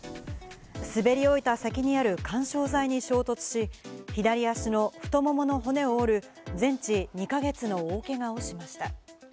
滑り終えた先にある緩衝材に衝突し、左足の太ももの骨を折る全治２か月の大怪我をしました。